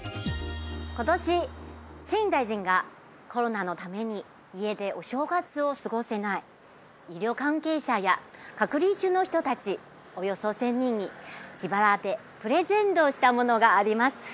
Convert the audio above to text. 今年陳大臣がコロナのために家でお正月を過ごせない医療関係者や隔離中の人達およそ１０００人に自腹でプレゼントしたものがあります